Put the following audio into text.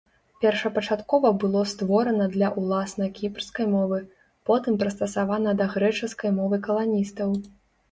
Першапачаткова было створана для ўласна кіпрскай мовы, потым прыстасавана да грэчаскай мовы каланістаў.